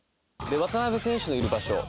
渡邊選手のいる場所